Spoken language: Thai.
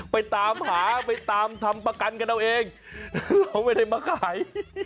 ไปตามหาไปตามทำประกันกันเอาเองเราไม่ได้มาขาย